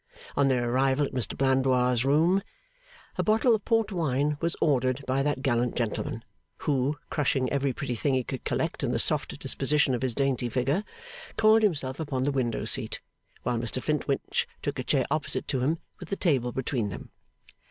On their arrival at Mr Blandois' room, a bottle of port wine was ordered by that gallant gentleman; who (crushing every pretty thing he could collect, in the soft disposition of his dainty figure) coiled himself upon the window seat, while Mr Flintwinch took a chair opposite to him, with the table between them.